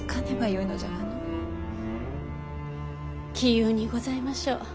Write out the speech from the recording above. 杞憂にございましょう。